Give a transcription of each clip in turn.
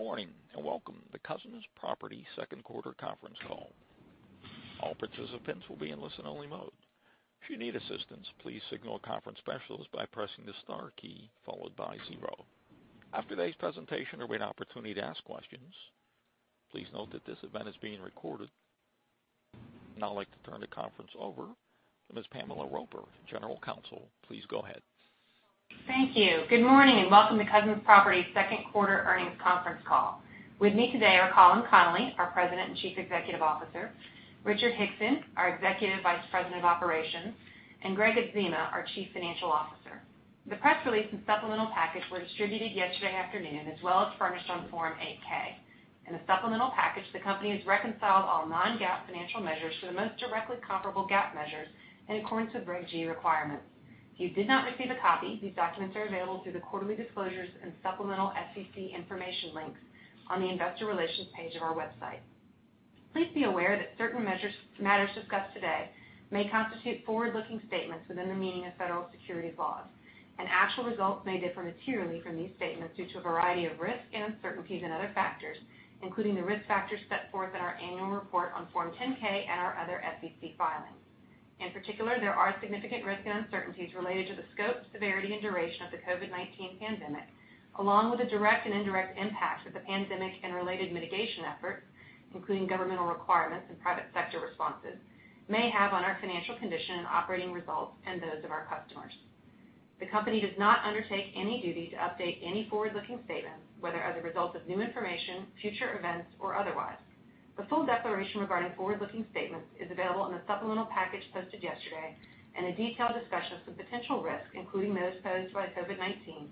Good morning, and welcome to Cousins Properties second quarter conference call. All participants will be in listen only mode. If you need assistance, please signal a conference specialist by pressing the star key followed by zero. After today's presentation, there will be an opportunity to ask questions. Please note that this event is being recorded. Now I'd like to turn the conference over to Ms. Pamela Roper, General Counsel. Please go ahead. Thank you. Good morning, and welcome to Cousins Properties second quarter earnings conference call. With me today are Colin Connolly, our President and Chief Executive Officer, Richard Hickson, our Executive Vice President of Operations, and Gregg Adzema, our Chief Financial Officer. The press release and supplemental package were distributed yesterday afternoon, as well as furnished on Form 8-K. In the supplemental package, the company has reconciled all non-GAAP financial measures to the most directly comparable GAAP measures in accordance with Regulation G requirements. If you did not receive a copy, these documents are available through the quarterly disclosures and supplemental SEC information links on the investor relations page of our website. Please be aware that certain matters discussed today may constitute forward-looking statements within the meaning of federal securities laws, and actual results may differ materially from these statements due to a variety of risks and uncertainties and other factors, including the risk factors set forth in our annual report on Form 10-K and our other SEC filings. In particular, there are significant risks and uncertainties related to the scope, severity, and duration of the COVID-19 pandemic, along with the direct and indirect impacts of the pandemic and related mitigation efforts, including governmental requirements and private sector responses, may have on our financial condition and operating results and those of our customers. The company does not undertake any duty to update any forward-looking statements, whether as a result of new information, future events, or otherwise. The full declaration regarding forward-looking statements is available in the supplemental package posted yesterday, and a detailed discussion of the potential risks, including those posed by COVID-19,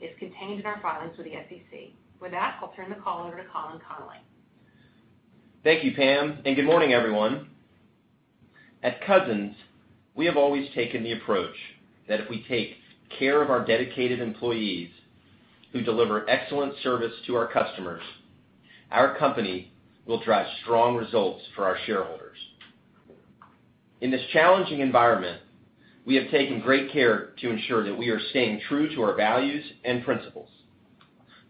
is contained in our filings with the SEC. With that, I'll turn the call over to Colin Connolly. Thank you, Pam, and good morning, everyone. At Cousins, we have always taken the approach that if we take care of our dedicated employees who deliver excellent service to our customers, our company will drive strong results for our shareholders. In this challenging environment, we have taken great care to ensure that we are staying true to our values and principles.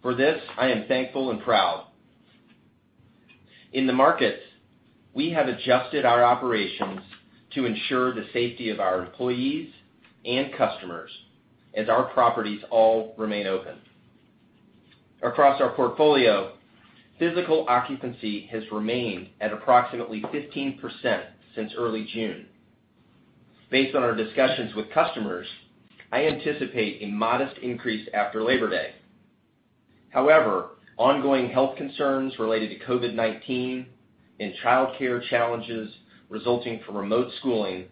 For this, I am thankful and proud. In the markets, we have adjusted our operations to ensure the safety of our employees and customers as our properties all remain open. Across our portfolio, physical occupancy has remained at approximately 15% since early June. Based on our discussions with customers, I anticipate a modest increase after Labor Day. However, ongoing health concerns related to COVID-19 and childcare challenges resulting from remote schooling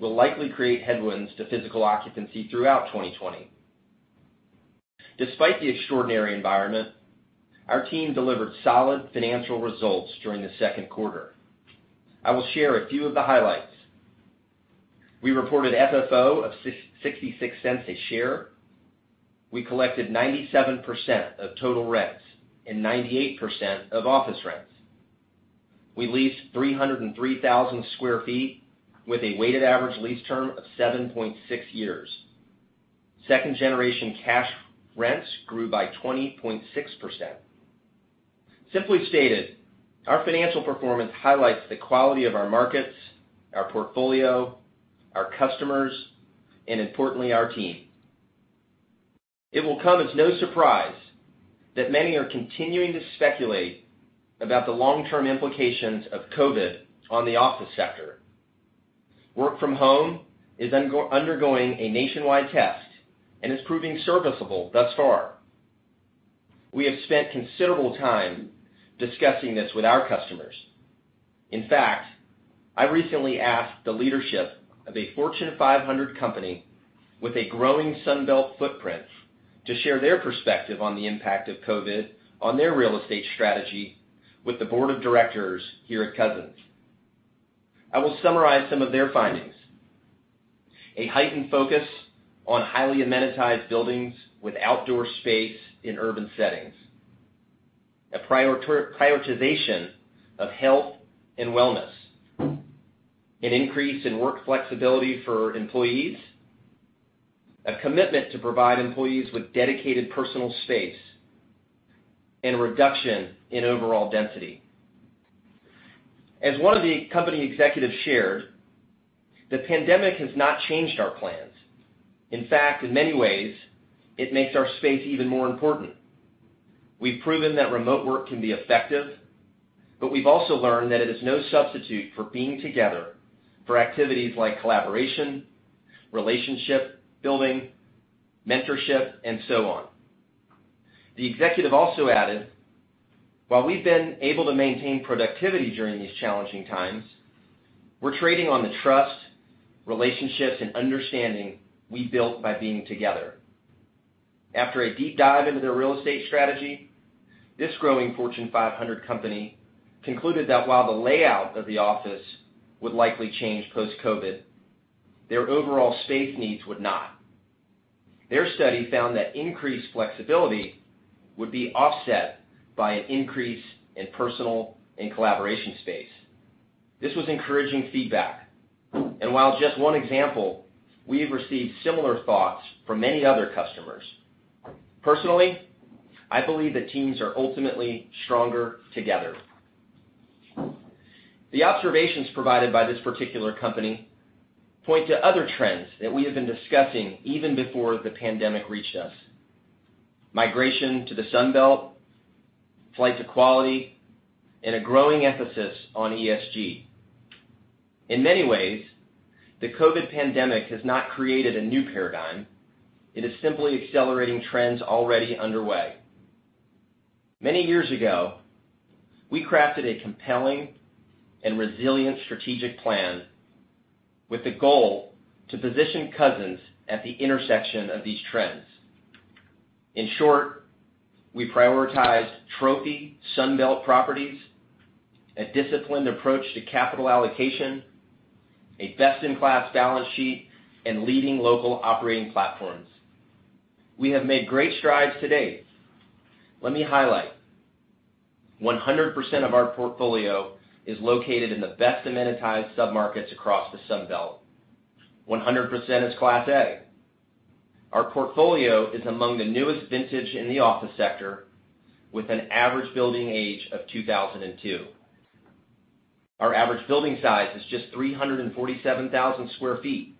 will likely create headwinds to physical occupancy throughout 2020. Despite the extraordinary environment, our team delivered solid financial results during the second quarter. I will share a few of the highlights. We reported FFO of $0.66 a share. We collected 97% of total rents and 98% of office rents. We leased 303,000 sq ft with a weighted average lease term of 7.6 years. Second generation cash rents grew by 20.6%. Simply stated, our financial performance highlights the quality of our markets, our portfolio, our customers, and importantly, our team. It will come as no surprise that many are continuing to speculate about the long-term implications of COVID-19 on the office sector. Work from home is undergoing a nationwide test and is proving serviceable thus far. We have spent considerable time discussing this with our customers. In fact, I recently asked the leadership of a Fortune 500 company with a growing Sun Belt footprint to share their perspective on the impact of COVID-19 on their real estate strategy with the board of directors here at Cousins. I will summarize some of their findings. A heightened focus on highly amenitized buildings with outdoor space in urban settings, a prioritization of health and wellness, an increase in work flexibility for employees, a commitment to provide employees with dedicated personal space, and a reduction in overall density. As one of the company executives shared, "The pandemic has not changed our plans. In fact, in many ways, it makes our space even more important. We've proven that remote work can be effective, but we've also learned that it is no substitute for being together for activities like collaboration, relationship building, mentorship, and so on. The executive also added, "While we've been able to maintain productivity during these challenging times, we're trading on the trust, relationships, and understanding we built by being together." After a deep dive into their real estate strategy, this growing Fortune 500 company concluded that while the layout of the office would likely change post-COVID, their overall space needs would not. Their study found that increased flexibility would be offset by an increase in personal and collaboration space. This was encouraging feedback. While it's just one example, we have received similar thoughts from many other customers. Personally, I believe that teams are ultimately stronger together. The observations provided by this particular company point to other trends that we have been discussing even before the COVID pandemic reached us. Migration to the Sun Belt, flight to quality, and a growing emphasis on ESG. In many ways, the COVID pandemic has not created a new paradigm. It is simply accelerating trends already underway. Many years ago, we crafted a compelling and resilient strategic plan with the goal to position Cousins at the intersection of these trends. In short, we prioritized trophy Sun Belt properties, a disciplined approach to capital allocation, a best-in-class balance sheet, and leading local operating platforms. We have made great strides to date. Let me highlight. 100% of our portfolio is located in the best amenitized submarkets across the Sun Belt. 100% is Class A. Our portfolio is among the newest vintage in the office sector, with an average building age of 2002. Our average building size is just 347,000 sq ft,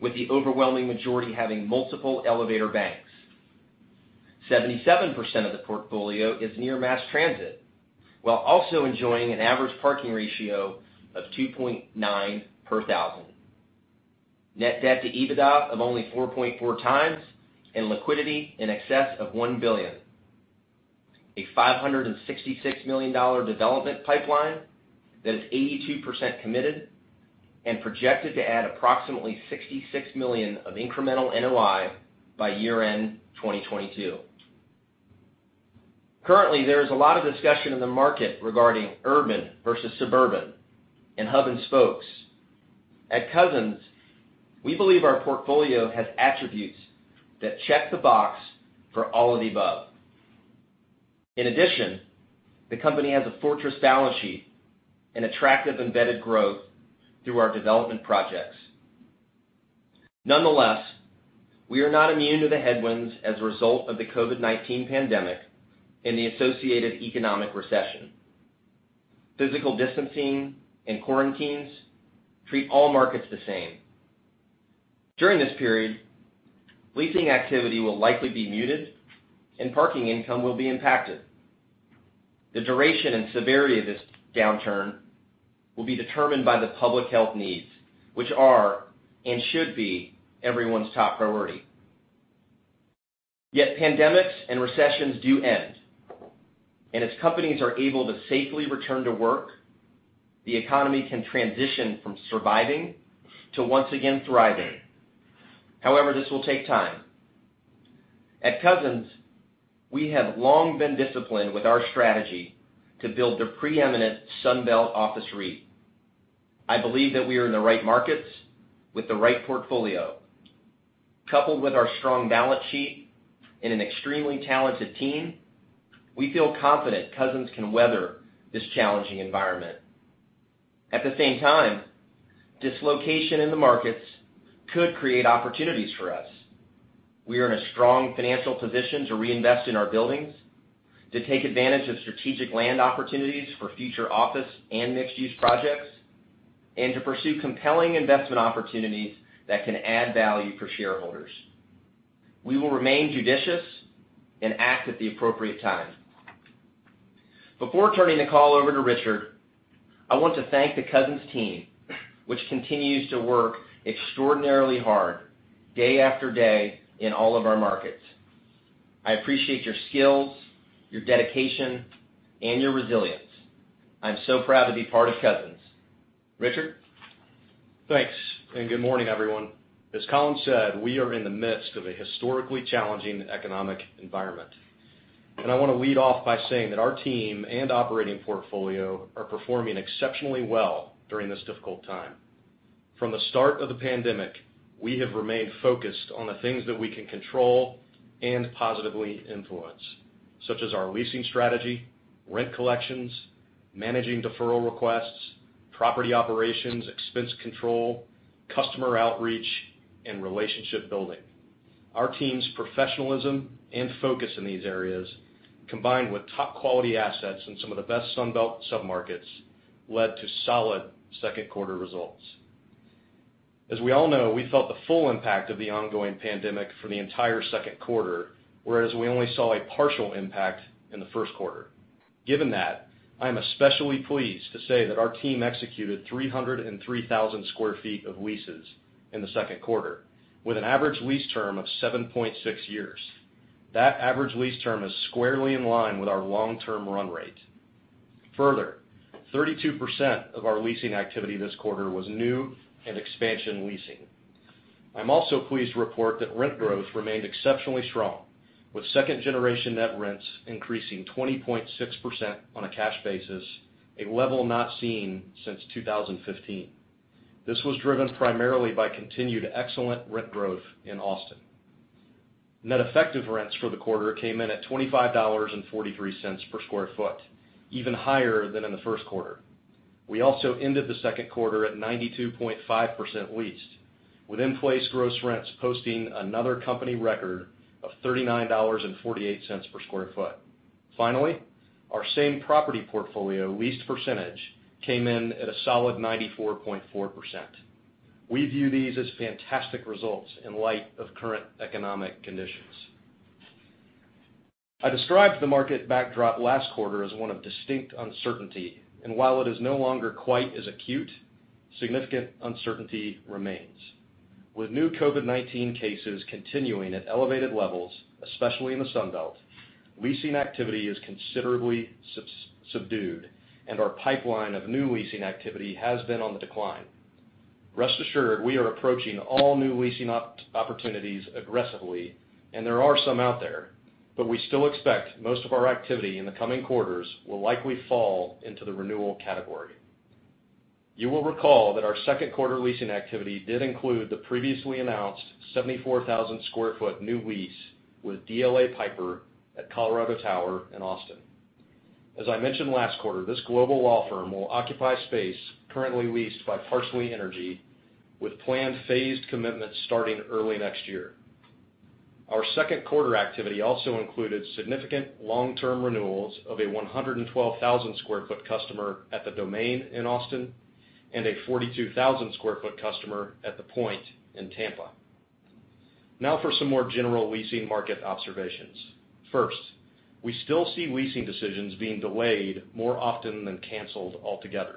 with the overwhelming majority having multiple elevator banks. 77% of the portfolio is near mass transit, while also enjoying an average parking ratio of 2.9 per thousand. Net debt to EBITDA of only 4.4 times and liquidity in excess of $1 billion. A $566 million development pipeline that is 82% committed and projected to add approximately $66 million of incremental NOI by year-end 2022. Currently, there is a lot of discussion in the market regarding urban versus suburban, and hub and spokes. At Cousins, we believe our portfolio has attributes that check the box for all of the above. In addition, the company has a fortress balance sheet and attractive embedded growth through our development projects. Nonetheless, we are not immune to the headwinds as a result of the COVID-19 pandemic and the associated economic recession. Physical distancing and quarantines treat all markets the same. During this period, leasing activity will likely be muted, and parking income will be impacted. The duration and severity of this downturn will be determined by the public health needs, which are and should be everyone's top priority. Yet pandemics and recessions do end, and as companies are able to safely return to work, the economy can transition from surviving to once again thriving. However, this will take time. At Cousins, we have long been disciplined with our strategy to build the preeminent Sun Belt office REIT. I believe that we are in the right markets with the right portfolio. Coupled with our strong balance sheet and an extremely talented team, we feel confident Cousins can weather this challenging environment. At the same time, dislocation in the markets could create opportunities for us. We are in a strong financial position to reinvest in our buildings, to take advantage of strategic land opportunities for future office and mixed-use projects, and to pursue compelling investment opportunities that can add value for shareholders. We will remain judicious and act at the appropriate time. Before turning the call over to Richard, I want to thank the Cousins team, which continues to work extraordinarily hard day after day in all of our markets. I appreciate your skills, your dedication, and your resilience. I'm so proud to be part of Cousins. Richard? Thanks, and good morning, everyone. As Colin said, we are in the midst of a historically challenging economic environment. I want to lead off by saying that our team and operating portfolio are performing exceptionally well during this difficult time. From the start of the pandemic, we have remained focused on the things that we can control and positively influence, such as our leasing strategy, rent collections, managing deferral requests, property operations, expense control, customer outreach, and relationship building. Our team's professionalism and focus in these areas, combined with top-quality assets in some of the best Sun Belt submarkets, led to solid second quarter results. As we all know, we felt the full impact of the ongoing pandemic for the entire second quarter, whereas we only saw a partial impact in the first quarter. Given that, I am especially pleased to say that our team executed 303,000 sq ft of leases in the second quarter, with an average lease term of 7.6 years. That average lease term is squarely in line with our long-term run rate. 32% of our leasing activity this quarter was new and expansion leasing. I'm also pleased to report that rent growth remained exceptionally strong, with second generation net rents increasing 20.6% on a cash basis, a level not seen since 2015. This was driven primarily by continued excellent rent growth in Austin. Net effective rents for the quarter came in at $25.43 per sq ft, even higher than in the first quarter. We also ended the second quarter at 92.5% leased, with in-place gross rents posting another company record of $39.48 per sq ft. Our same property portfolio leased percentage came in at a solid 94.4%. We view these as fantastic results in light of current economic conditions. I described the market backdrop last quarter as one of distinct uncertainty, and while it is no longer quite as acute, significant uncertainty remains. With new COVID-19 cases continuing at elevated levels, especially in the Sun Belt, leasing activity is considerably subdued, and our pipeline of new leasing activity has been on the decline. Rest assured, we are approaching all new leasing opportunities aggressively, and there are some out there, but we still expect most of our activity in the coming quarters will likely fall into the renewal category. You will recall that our second quarter leasing activity did include the previously announced 74,000 sq ft new lease with DLA Piper at Colorado Tower in Austin. As I mentioned last quarter, this global law firm will occupy space currently leased by Parsley Energy, with planned phased commitments starting early next year. Our second quarter activity also included significant long-term renewals of a 112,000 sq ft customer at The Domain in Austin and a 42,000 sq ft customer at The Pointe in Tampa. For some more general leasing market observations. We still see leasing decisions being delayed more often than canceled altogether.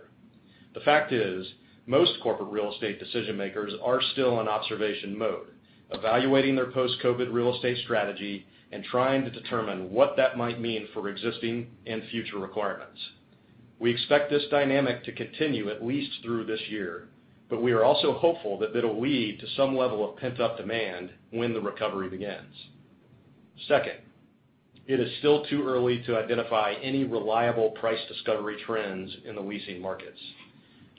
The fact is, most corporate real estate decision-makers are still in observation mode, evaluating their post-COVID real estate strategy and trying to determine what that might mean for existing and future requirements. We expect this dynamic to continue at least through this year, but we are also hopeful that it'll lead to some level of pent-up demand when the recovery begins. Second, it is still too early to identify any reliable price discovery trends in the leasing markets.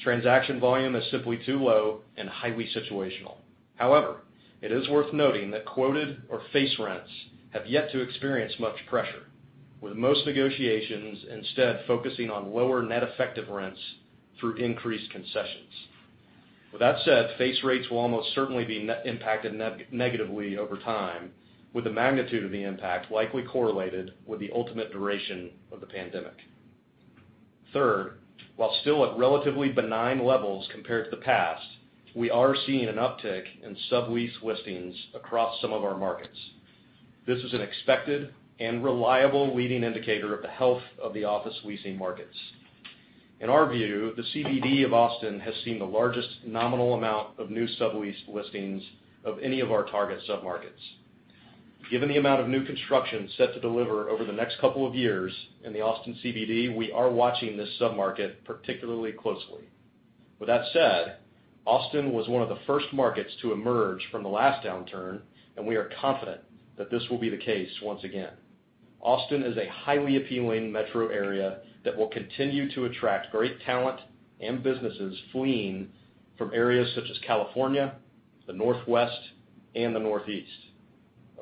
Transaction volume is simply too low and highly situational. However, it is worth noting that quoted or face rents have yet to experience much pressure, with most negotiations instead focusing on lower net effective rents through increased concessions. With that said, face rates will almost certainly be impacted negatively over time, with the magnitude of the impact likely correlated with the ultimate duration of the pandemic. Third, while still at relatively benign levels compared to the past, we are seeing an uptick in sublease listings across some of our markets. This is an expected and reliable leading indicator of the health of the office leasing markets. In our view, the CBD of Austin has seen the largest nominal amount of new sublease listings of any of our target submarkets. Given the amount of new construction set to deliver over the next couple of years in the Austin CBD, we are watching this submarket particularly closely. With that said, Austin was one of the first markets to emerge from the last downturn, and we are confident that this will be the case once again. Austin is a highly appealing metro area that will continue to attract great talent and businesses fleeing from areas such as California, the Northwest, and the Northeast.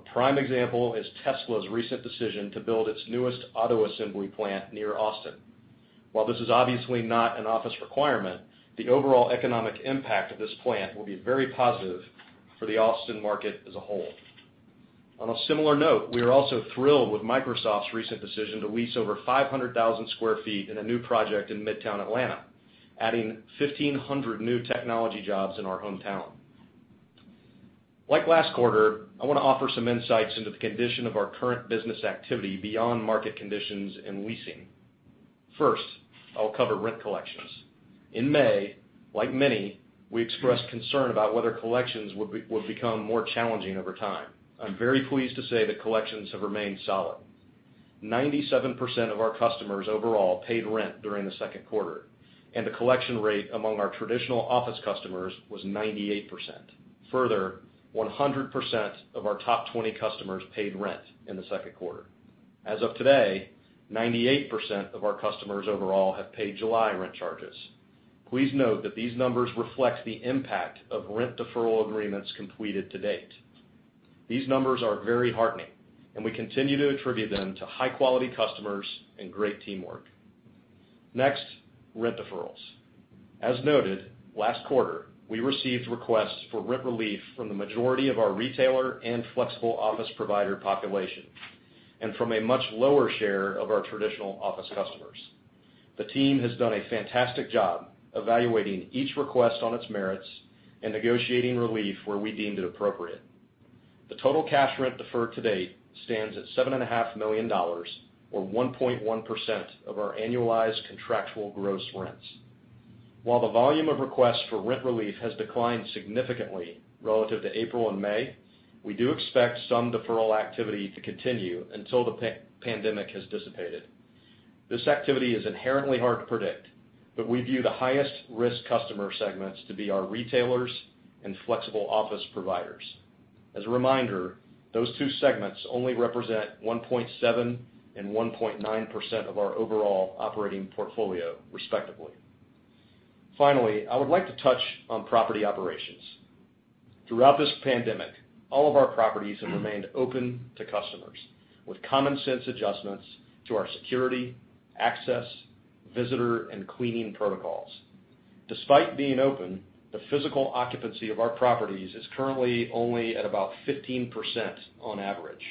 A prime example is Tesla's recent decision to build its newest auto assembly plant near Austin. While this is obviously not an office requirement, the overall economic impact of this plant will be very positive for the Austin market as a whole. On a similar note, we are also thrilled with Microsoft's recent decision to lease over 500,000 sq ft in a new project in Midtown Atlanta, adding 1,500 new technology jobs in our hometown. Like last quarter, I want to offer some insights into the condition of our current business activity beyond market conditions and leasing. First, I'll cover rent collections. In May, like many, we expressed concern about whether collections would become more challenging over time. I'm very pleased to say that collections have remained solid. 97% of our customers overall paid rent during the second quarter, and the collection rate among our traditional office customers was 98%. Further, 100% of our top 20 customers paid rent in the second quarter. As of today, 98% of our customers overall have paid July rent charges. Please note that these numbers reflect the impact of rent deferral agreements completed to date. These numbers are very heartening, and we continue to attribute them to high-quality customers and great teamwork. Next, rent deferrals. As noted, last quarter, we received requests for rent relief from the majority of our retailer and flexible office provider population and from a much lower share of our traditional office customers. The team has done a fantastic job evaluating each request on its merits and negotiating relief where we deemed it appropriate. The total cash rent deferred to date stands at $7.5 million, or 1.1% of our annualized contractual gross rents. While the volume of requests for rent relief has declined significantly relative to April and May, we do expect some deferral activity to continue until the pandemic has dissipated. This activity is inherently hard to predict, but we view the highest risk customer segments to be our retailers and flexible office providers. As a reminder, those two segments only represent 1.7% and 1.9% of our overall operating portfolio, respectively. I would like to touch on property operations. Throughout this pandemic, all of our properties have remained open to customers with common sense adjustments to our security, access, visitor, and cleaning protocols. Despite being open, the physical occupancy of our properties is currently only at about 15% on average,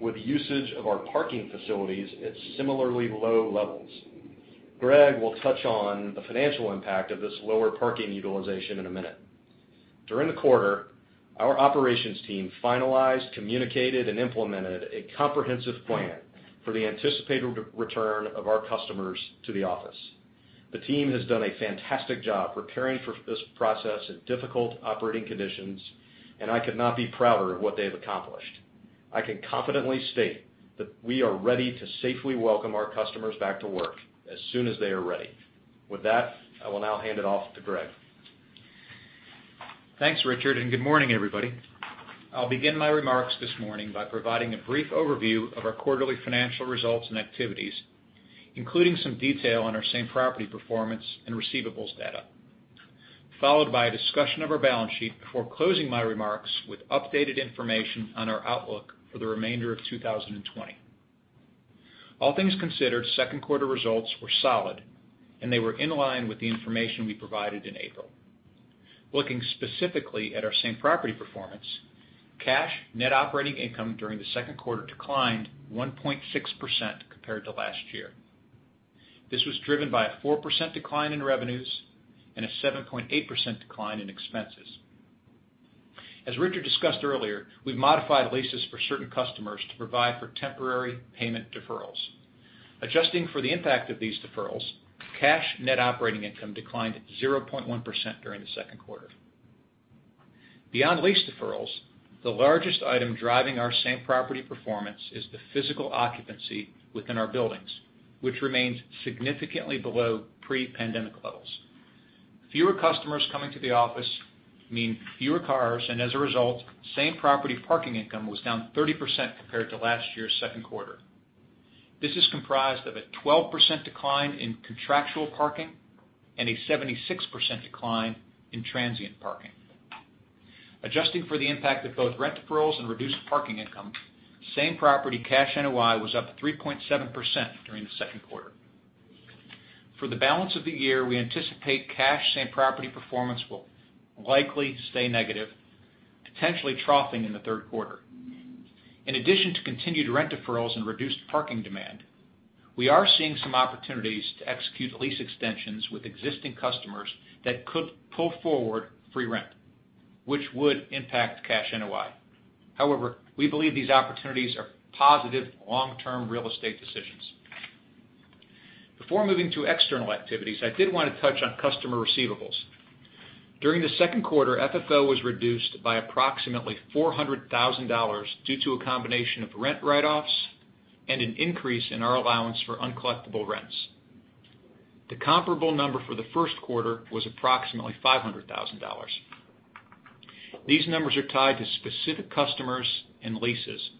with usage of our parking facilities at similarly low levels. Gregg will touch on the financial impact of this lower parking utilization in a minute. During the quarter, our operations team finalized, communicated, and implemented a comprehensive plan for the anticipated return of our customers to the office. The team has done a fantastic job preparing for this process in difficult operating conditions, and I could not be prouder of what they have accomplished. I can confidently state that we are ready to safely welcome our customers back to work as soon as they are ready. With that, I will now hand it off to Gregg. Thanks, Richard. Good morning, everybody. I'll begin my remarks this morning by providing a brief overview of our quarterly financial results and activities, including some detail on our same-property performance and receivables data, followed by a discussion of our balance sheet before closing my remarks with updated information on our outlook for the remainder of 2020. All things considered, second quarter results were solid. They were in line with the information we provided in April. Looking specifically at our same-property performance, cash net operating income during the second quarter declined 1.6% compared to last year. This was driven by a 4% decline in revenues and a 7.8% decline in expenses. As Richard discussed earlier, we've modified leases for certain customers to provide for temporary payment deferrals. Adjusting for the impact of these deferrals, cash net operating income declined 0.1% during the second quarter. Beyond lease deferrals, the largest item driving our same-property performance is the physical occupancy within our buildings, which remains significantly below pre-pandemic levels. Fewer customers coming to the office mean fewer cars, and as a result, same-property parking income was down 30% compared to last year's second quarter. This is comprised of a 12% decline in contractual parking and a 76% decline in transient parking. Adjusting for the impact of both rent deferrals and reduced parking income, same-property cash NOI was up 3.7% during the second quarter. For the balance of the year, we anticipate cash same-property performance will likely stay negative, potentially troughing in the third quarter. In addition to continued rent deferrals and reduced parking demand, we are seeing some opportunities to execute lease extensions with existing customers that could pull forward free rent, which would impact cash NOI. However, we believe these opportunities are positive long-term real estate decisions. Before moving to external activities, I did want to touch on customer receivables. During the second quarter, FFO was reduced by approximately $400,000 due to a combination of rent write-offs and an increase in our allowance for uncollectible rents. The comparable number for the first quarter was approximately $500,000. These numbers are tied to specific customers and leases.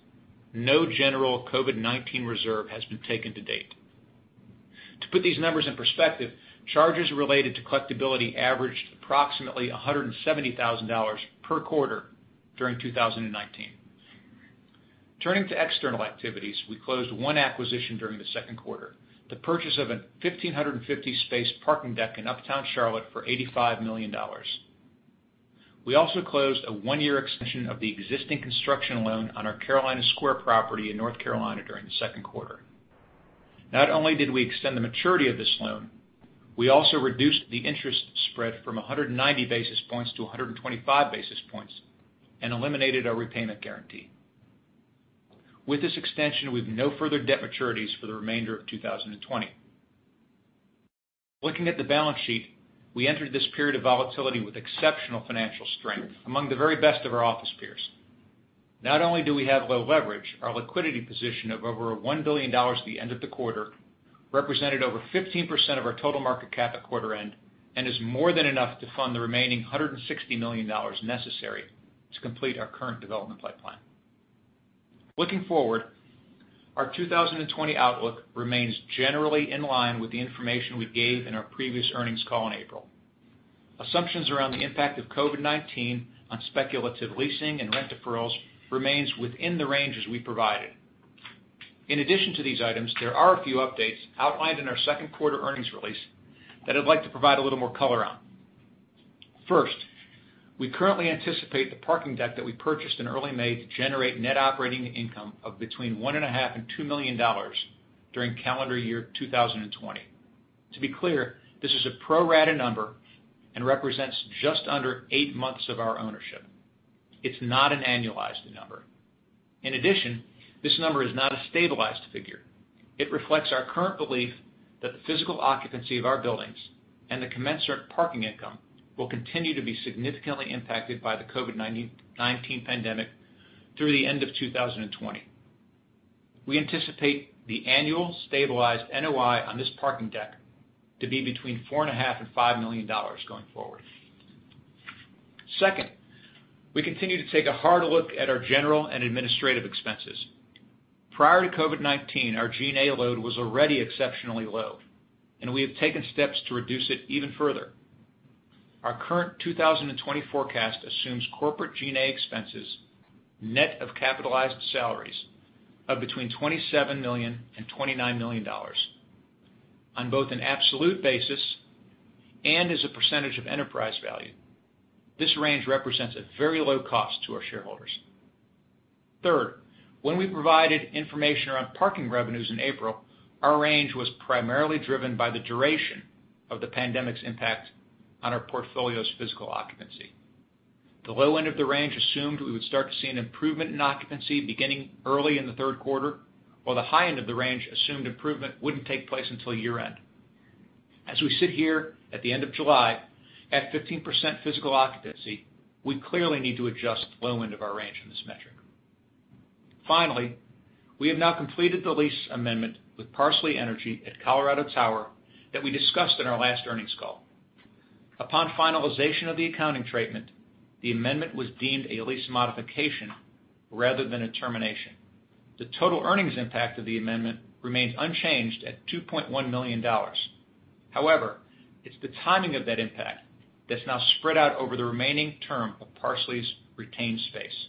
No general COVID-19 reserve has been taken to date. To put these numbers in perspective, charges related to collectability averaged approximately $170,000 per quarter during 2019. Turning to external activities, we closed one acquisition during the second quarter, the purchase of a 1,550-space parking deck in uptown Charlotte for $85 million. We also closed a one-year extension of the existing construction loan on our Carolina Square property in North Carolina during the second quarter. Not only did we extend the maturity of this loan, we also reduced the interest spread from 190 basis points to 125 basis points and eliminated our repayment guarantee. With this extension, we have no further debt maturities for the remainder of 2020. Looking at the balance sheet, we entered this period of volatility with exceptional financial strength among the very best of our office peers. Not only do we have low leverage, our liquidity position of over $1 billion at the end of the quarter represented over 15% of our total market cap at quarter end and is more than enough to fund the remaining $160 million necessary to complete our current development pipeline. Looking forward, our 2020 outlook remains generally in line with the information we gave in our previous earnings call in April. Assumptions around the impact of COVID-19 on speculative leasing and rent deferrals remains within the ranges we provided. In addition to these items, there are a few updates outlined in our second quarter earnings release that I'd like to provide a little more color on. First, we currently anticipate the parking deck that we purchased in early May to generate net operating income of between $1.5 and $2 million during calendar year 2020. To be clear, this is a pro rata number and represents just under eight months of our ownership. It's not an annualized number. In addition, this number is not a stabilized figure. It reflects our current belief that the physical occupancy of our buildings and the commensurate parking income will continue to be significantly impacted by the COVID-19 pandemic through the end of 2020. We anticipate the annual stabilized NOI on this parking deck to be $4.5 million-$5 million going forward. Second, we continue to take a hard look at our general and administrative expenses. Prior to COVID-19, our G&A load was already exceptionally low, and we have taken steps to reduce it even further. Our current 2020 forecast assumes corporate G&A expenses, net of capitalized salaries, of $27 million-$29 million. On both an absolute basis and as a percentage of enterprise value, this range represents a very low cost to our shareholders. Third, when we provided information around parking revenues in April, our range was primarily driven by the duration of the pandemic's impact on our portfolio's physical occupancy. The low end of the range assumed we would start to see an improvement in occupancy beginning early in the third quarter, while the high end of the range assumed improvement wouldn't take place until year-end. As we sit here at the end of July at 15% physical occupancy, we clearly need to adjust the low end of our range in this metric. Finally, we have now completed the lease amendment with Parsley Energy at Colorado Tower that we discussed in our last earnings call. Upon finalization of the accounting treatment, the amendment was deemed a lease modification rather than a termination. The total earnings impact of the amendment remains unchanged at $2.1 million. However, it's the timing of that impact that's now spread out over the remaining term of Parsley's retained space.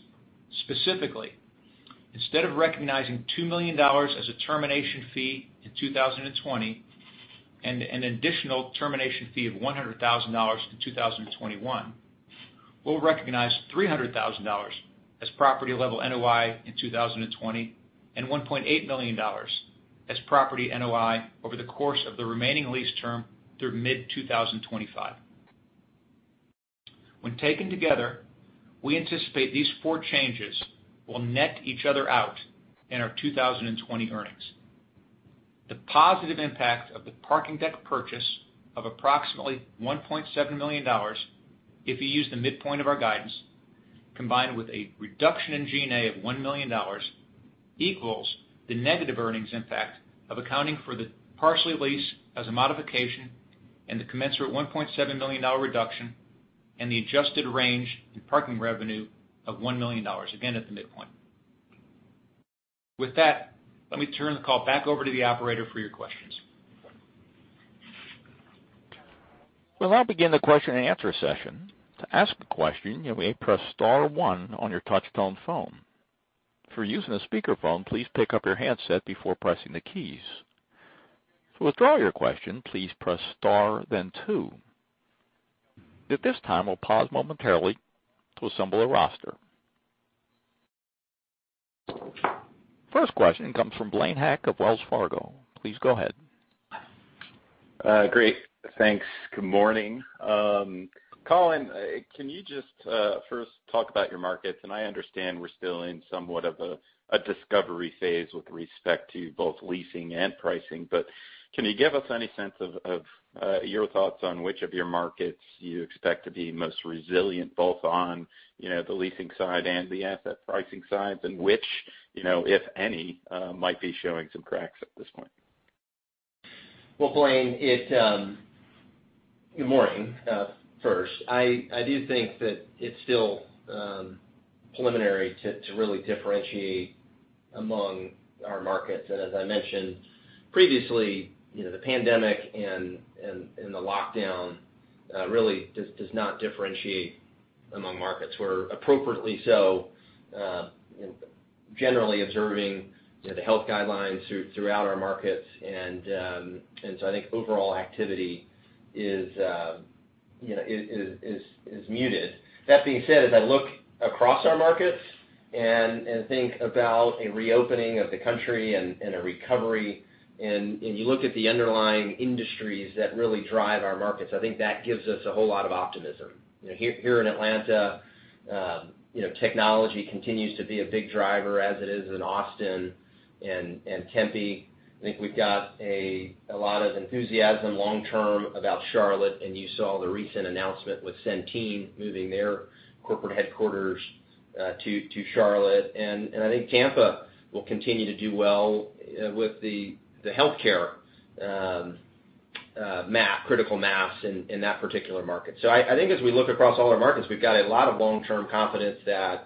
Specifically, instead of recognizing $2 million as a termination fee in 2020 and an additional termination fee of $100,000 in 2021, we'll recognize $300,000 as property level NOI in 2020, and $1.8 million as property NOI over the course of the remaining lease term through mid-2025. When taken together, we anticipate these four changes will net each other out in our 2020 earnings. The positive impact of the parking deck purchase of approximately $1.7 million, if you use the midpoint of our guidance, combined with a reduction in G&A of $1 million, equals the negative earnings impact of accounting for the Parsley lease as a modification and the commensurate $1.7 million reduction, and the adjusted range in parking revenue of $1 million, again, at the midpoint. With that, let me turn the call back over to the operator for your questions. We'll now begin the question and answer session. To ask a question, you may press star one on your touchtone phone. If you're using a speakerphone, please pick up your handset before pressing the keys. To withdraw your question, please press star, then two. At this time, we'll pause momentarily to assemble a roster. First question comes from Blaine Heck of Wells Fargo. Please go ahead. Great. Thanks. Good morning. Colin, can you just first talk about your markets? I understand we're still in somewhat of a discovery phase with respect to both leasing and pricing, but can you give us any sense of your thoughts on which of your markets you expect to be most resilient, both on the leasing side and the asset pricing sides, and which, if any, might be showing some cracks at this point? Well, Blaine, good morning, first. I do think that it's still preliminary to really differentiate among our markets. As I mentioned previously, the pandemic and the lockdown really does not differentiate among markets. We're appropriately so generally observing the health guidelines throughout our markets. So I think overall activity is muted. That being said, as I look across our markets and think about a reopening of the country and a recovery, and you look at the underlying industries that really drive our markets, I think that gives us a whole lot of optimism. Here in Atlanta, technology continues to be a big driver as it is in Austin and Tempe. I think we've got a lot of enthusiasm long term about Charlotte, and you saw the recent announcement with Centene moving their corporate headquarters to Charlotte. I think Tampa will continue to do well with the healthcare critical mass in that particular market. I think as we look across all our markets, we've got a lot of long-term confidence that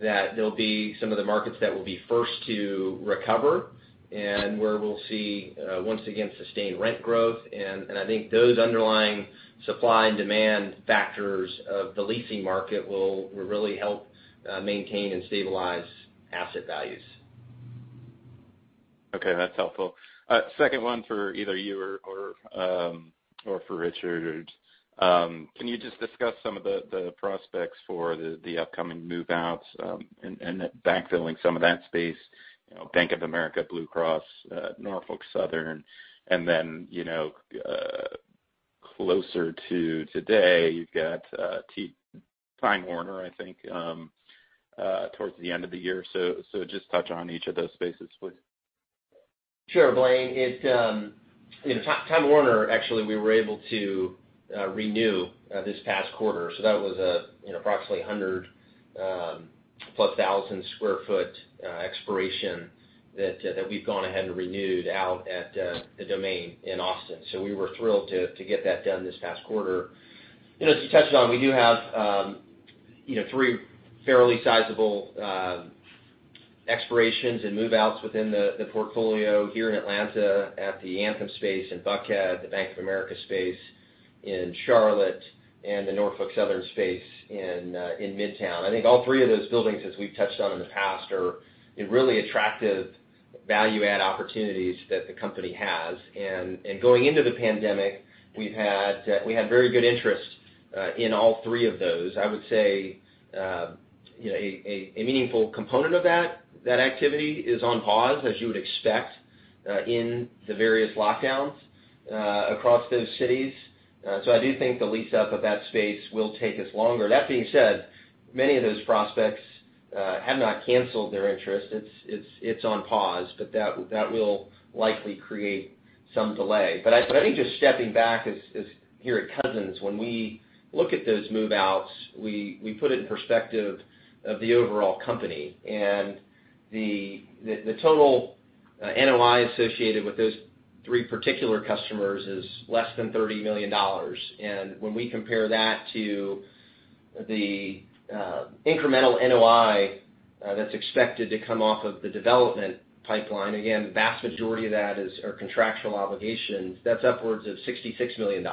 there'll be some of the markets that will be first to recover and where we'll see, once again, sustained rent growth. I think those underlying supply and demand factors of the leasing market will really help maintain and stabilize asset values. Okay, that's helpful. Second one for either you or for Richard. Can you just discuss some of the prospects for the upcoming move-outs and backfilling some of that space, Bank of America, Blue Cross, Norfolk Southern, and then closer to today, you've got Time Warner, I think towards the end of the year. Just touch on each of those spaces, please. Sure, Blaine. Time Warner, actually, we were able to renew this past quarter. That was approximately 1001,000 sq ft expiration that we've gone ahead and renewed out at The Domain in Austin. We were thrilled to get that done this past quarter. As you touched on, we do have three fairly sizable expirations and move-outs within the portfolio here in Atlanta at the Anthem space in Buckhead, the Bank of America space in Charlotte, and the Norfolk Southern space in Midtown. I think all three of those buildings, as we've touched on in the past, are really attractive value-add opportunities that the company has. Going into the pandemic, we had very good interest in all three of those. I would say, a meaningful component of that activity is on pause, as you would expect, in the various lockdowns across those cities. I do think the lease up of that space will take us longer. That being said, many of those prospects have not canceled their interest. It's on pause. That will likely create some delay. I think just stepping back is here at Cousins, when we look at those move-outs, we put it in perspective of the overall company. The total NOI associated with those three particular customers is less than $30 million. When we compare that to the incremental NOI that's expected to come off of the development pipeline, again, the vast majority of that are contractual obligations. That's upwards of $66 million.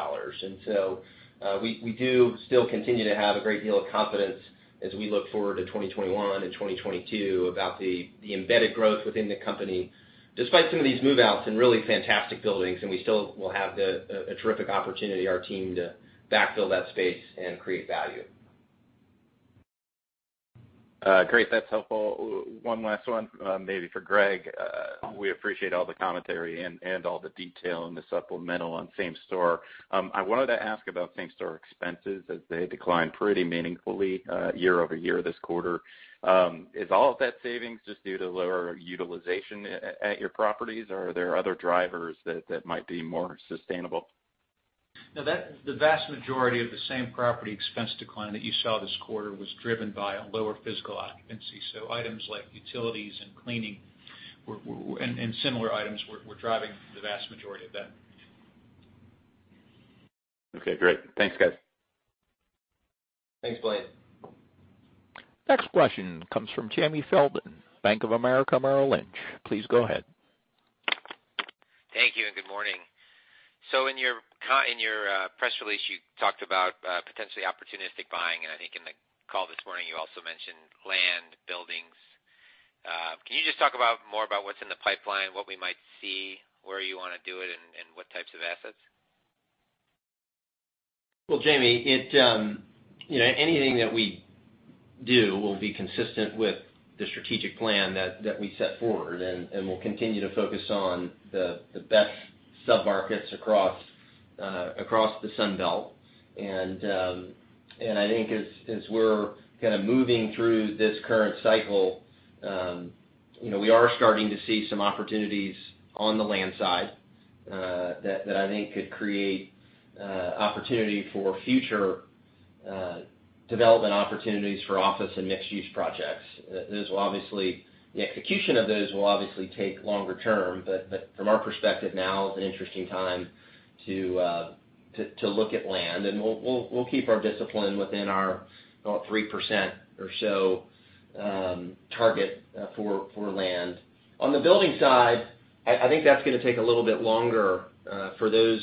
We do still continue to have a great deal of confidence as we look forward to 2021 and 2022 about the embedded growth within the company, despite some of these move-outs in really fantastic buildings. We still will have a terrific opportunity, our team, to backfill that space and create value. Great. That's helpful. One last one, maybe for Gregg. We appreciate all the commentary and all the detail in the supplemental on same-store. I wanted to ask about same-store expenses, as they declined pretty meaningfully year-over-year this quarter. Is all of that savings just due to lower utilization at your properties, or are there other drivers that might be more sustainable? No, the vast majority of the same property expense decline that you saw this quarter was driven by a lower physical occupancy. Items like utilities and cleaning, and similar items were driving the vast majority of that. Okay, great. Thanks, guys. Thanks, Blaine. Next question comes from Jamie Feldman, Bank of America Merrill Lynch. Please go ahead. Thank you and good morning. In your press release, you talked about potentially opportunistic buying. I think in the call this morning, you also mentioned land, buildings. Can you just talk more about what's in the pipeline, what we might see, where you want to do it, and what types of assets? Well, Jamie, anything that we do will be consistent with the strategic plan that we set forward. We'll continue to focus on the best sub-markets across the Sun Belt. I think as we're kind of moving through this current cycle, we are starting to see some opportunities on the land side, that I think could create opportunity for future development opportunities for office and mixed-use projects. The execution of those will obviously take longer term, but from our perspective, now is an interesting time to look at land. We'll keep our discipline within our 3% or so target for land. On the building side, I think that's going to take a little bit longer for those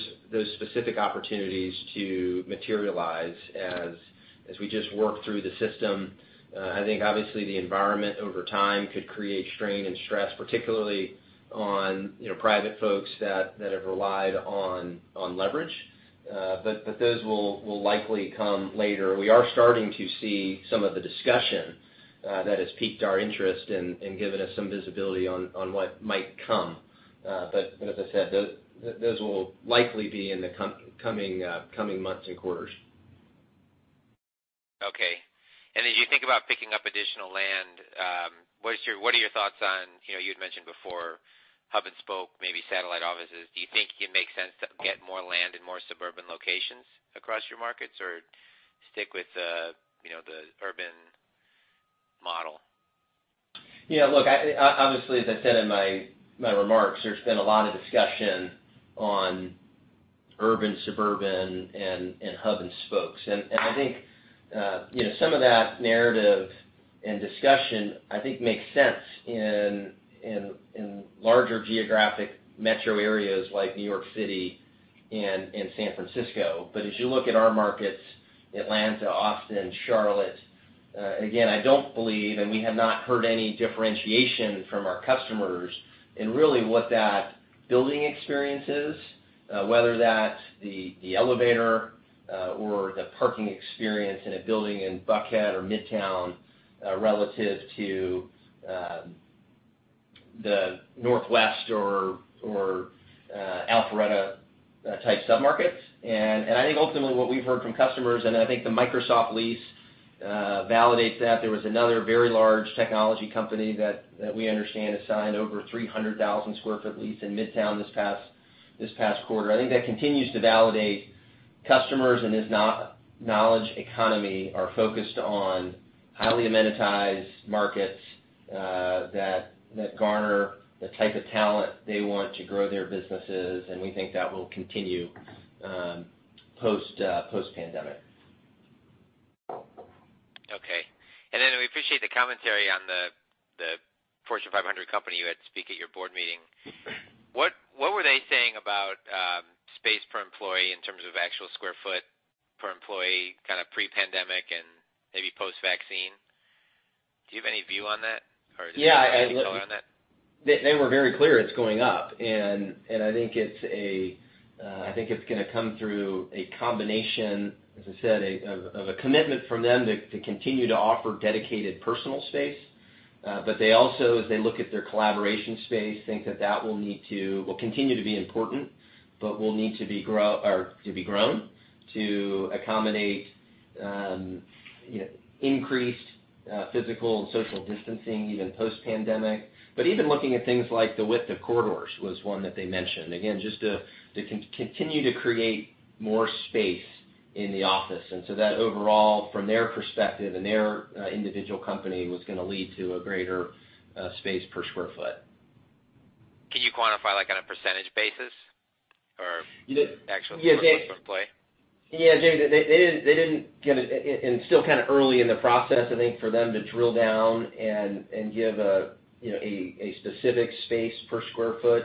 specific opportunities to materialize as we just work through the system. I think obviously the environment over time could create strain and stress, particularly on private folks that have relied on leverage. Those will likely come later. We are starting to see some of the discussion that has piqued our interest and given us some visibility on what might come. As I said, those will likely be in the coming months and quarters. Okay. As you think about picking up additional land, what are your thoughts on, you had mentioned before, hub-and-spoke, maybe satellite offices? Do you think it makes sense to get more land in more suburban locations across your markets? Stick with the urban model? Yeah, look, obviously, as I said in my remarks, there's been a lot of discussion on urban, suburban, and hub-and-spokes. I think some of that narrative and discussion, I think makes sense in larger geographic metro areas like New York City and San Francisco. As you look at our markets, Atlanta, Austin, Charlotte, again, I don't believe, and we have not heard any differentiation from our customers in really what that building experience is, whether that's the elevator, or the parking experience in a building in Buckhead or Midtown, relative to the Northwest or Alpharetta-type sub-markets. I think ultimately what we've heard from customers, and I think the Microsoft lease validates that. There was another very large technology company that we understand has signed over a 300,000 sq ft lease in Midtown this past quarter. I think that continues to validate customers in this knowledge economy are focused on highly amenitized markets that garner the type of talent they want to grow their businesses, and we think that will continue post Pandemic. Okay. We appreciate the commentary on the Fortune 500 company you had speak at your board meeting. What were they saying about space per employee in terms of actual square foot per employee, kind of pre-pandemic and maybe post-vaccine? Do you have any view on that? Any color on that? They were very clear it's going up, and I think it's going to come through a combination, as I said, of a commitment from them to continue to offer dedicated personal space. They also, as they look at their collaboration space, think that that will continue to be important, but will need to be grown to accommodate increased physical and social distancing, even post-pandemic. Even looking at things like the width of corridors was one that they mentioned, again, just to continue to create more space in the office. That overall, from their perspective and their individual company, was going to lead to a greater space per square foot. Can you quantify, like on a percentage basis or actual square foot per employee? Yeah. They didn't get it, and it's still kind of early in the process, I think, for them to drill down and give a specific space per square foot.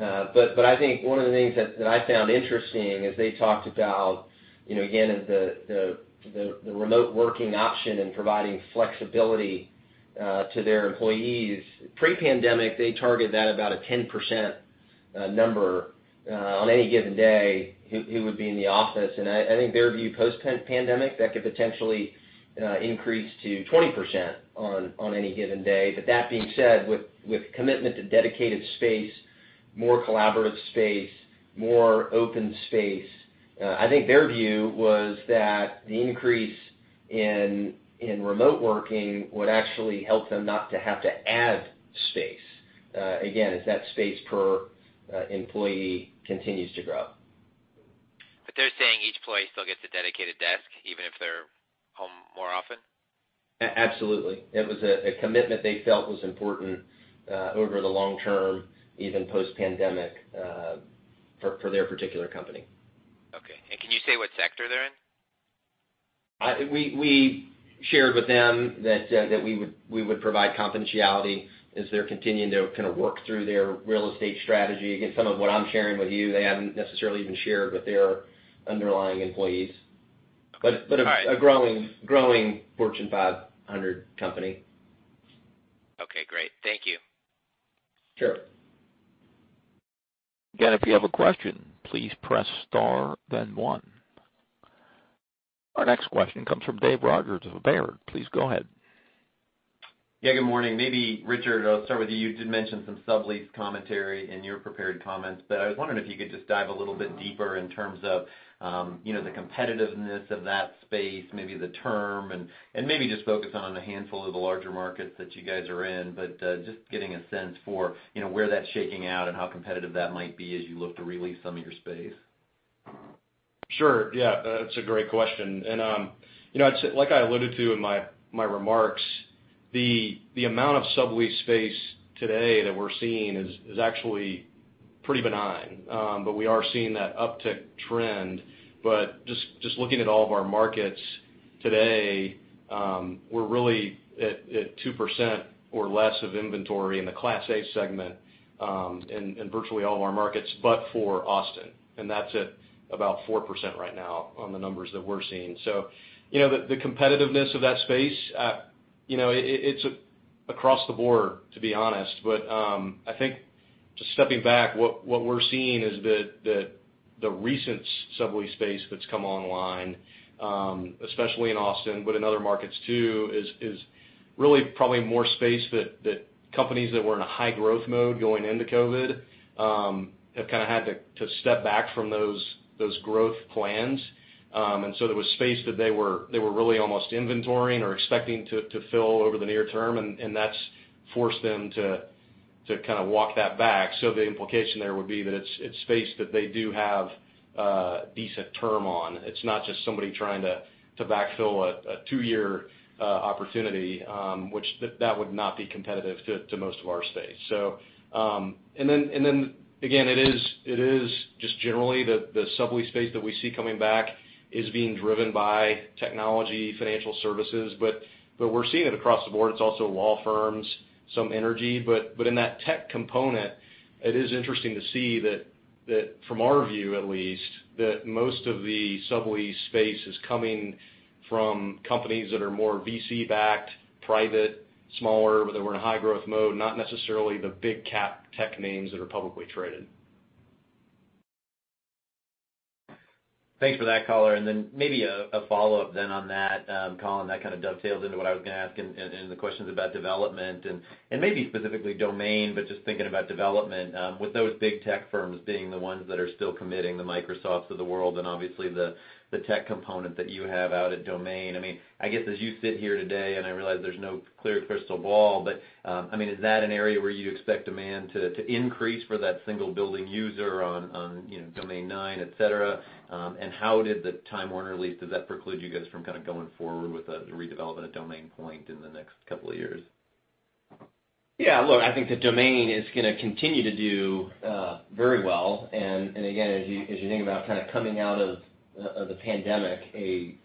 I think one of the things that I found interesting is they talked about, again, the remote working option and providing flexibility to their employees. Pre-pandemic, they target that about a 10% number on any given day who would be in the office. I think their view post-pandemic, that could potentially increase to 20% on any given day. That being said, with commitment to dedicated space, more collaborative space, more open space, I think their view was that the increase in remote working would actually help them not to have to add space. Again, as that space per employee continues to grow. They're saying each employee still gets a dedicated desk, even if they're home more often? Absolutely. It was a commitment they felt was important over the long term, even post pandemic, for their particular company. Okay. Can you say what sector they're in? We shared with them that we would provide confidentiality as they're continuing to kind of work through their real estate strategy. Some of what I'm sharing with you, they haven't necessarily even shared with their underlying employees. All right. A growing Fortune 500 company. Okay, great. Thank you. Sure. Again, if you have a question, please press star then one. Our next question comes from Dave Rodgers of Baird. Please go ahead. Yeah, good morning. Maybe Richard, I'll start with you. You did mention some sublease commentary in your prepared comments. I was wondering if you could just dive a little bit deeper in terms of the competitiveness of that space, maybe the term, and maybe just focus on a handful of the larger markets that you guys are in. Just getting a sense for where that's shaking out and how competitive that might be as you look to re-lease some of your space. Sure. Yeah, that's a great question. Like I alluded to in my remarks, the amount of sublease space today that we're seeing is actually pretty benign. We are seeing that uptick trend. Just looking at all of our markets today, we're really at 2% or less of inventory in the Class A segment in virtually all of our markets, but for Austin. That's at about 4% right now on the numbers that we're seeing. The competitiveness of that space, it's across the board, to be honest. I think just stepping back, what we're seeing is that the recent sublease space that's come online, especially in Austin, but in other markets too, is really probably more space that companies that were in a high growth mode going into COVID-19, have kind of had to step back from those growth plans. There was space that they were really almost inventorying or expecting to fill over the near term, and that's forced them to kind of walk that back. The implication there would be that it's space that they do have a decent term on. It's not just somebody trying to backfill a two-year opportunity, which that would not be competitive to most of our space. Again, it is just generally the sublease space that we see coming back is being driven by technology, financial services, but we're seeing it across the board. It's also law firms, some energy. In that tech component, it is interesting to see that from our view at least, that most of the sublease space is coming from companies that are more VC backed, private, smaller, but that were in a high growth mode, not necessarily the big cap tech names that are publicly traded. Thanks for that, color. Then maybe a follow-up then on that, Colin, that kind of dovetails into what I was going to ask and the questions about development and maybe specifically Domain, but just thinking about development, with those big tech firms being the ones that are still committing, the Microsofts of the world and obviously the tech component that you have out at Domain. I guess as you sit here today, and I realize there's no clear crystal ball, but is that an area where you expect demand to increase for that single building user on Domain 9, et cetera? How did the Time Warner lease, does that preclude you guys from kind of going forward with the redevelopment of Domain Point in the next couple of years? Yeah, look, I think that Domain is going to continue to do very well. Again, as you think about kind of coming out of the pandemic, a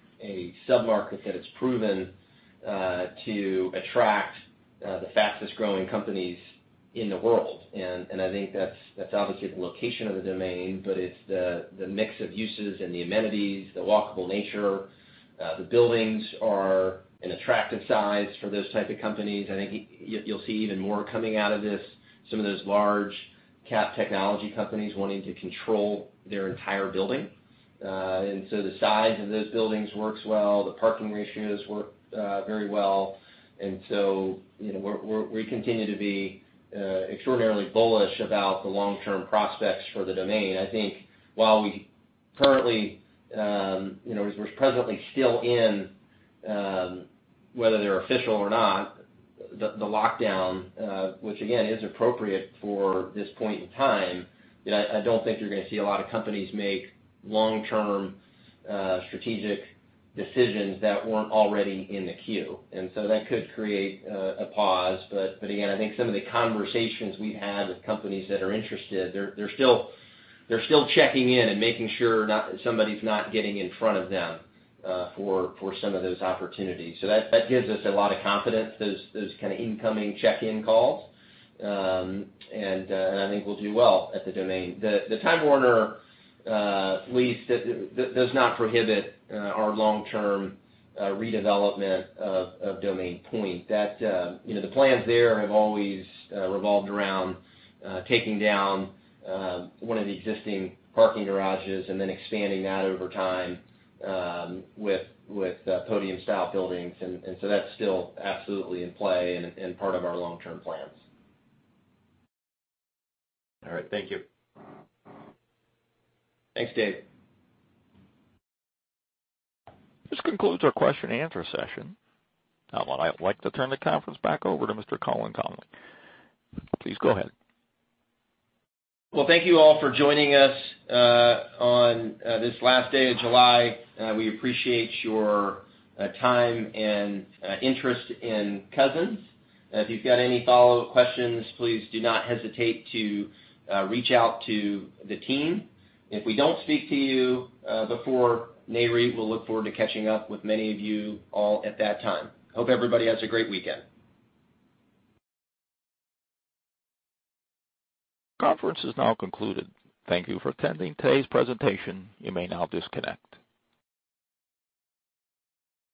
sub-market that it's proven to attract the fastest-growing companies in the world. I think that's obviously the location of the Domain, but it's the mix of uses and the amenities, the walkable nature. The buildings are an attractive size for those type of companies. I think you'll see even more coming out of this, some of those large cap technology companies wanting to control their entire building. The size of those buildings works well. The parking ratios work very well. We continue to be extraordinarily bullish about the long-term prospects for the Domain. I think while we're presently still in, whether they're official or not, the lockdown, which again, is appropriate for this point in time, I don't think you're going to see a lot of companies make long-term strategic decisions that weren't already in the queue. That could create a pause. Again, I think some of the conversations we had with companies that are interested, they're still checking in and making sure somebody's not getting in front of them for some of those opportunities. That gives us a lot of confidence, those kind of incoming check-in calls. I think we'll do well at the Domain. The Time Warner lease does not prohibit our long-term redevelopment of Domain Point. The plans there have always revolved around taking down one of the existing parking garages and then expanding that over time with podium-style buildings. That's still absolutely in play and part of our long-term plans. All right. Thank you. Thanks, Dave. This concludes our question and answer session. Now I'd like to turn the conference back over to Mr. Colin Connolly. Please go ahead. Well, thank you all for joining us on this last day of July. We appreciate your time and interest in Cousins. If you've got any follow-up questions, please do not hesitate to reach out to the team. If we don't speak to you before Nareit, we'll look forward to catching up with many of you all at that time. Hope everybody has a great weekend. Conference is now concluded. Thank you for attending today's presentation. You may now disconnect.